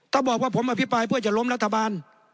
ถ้าบอกว่าผมอภิปรายเพื่อจะล้มรัฐบาล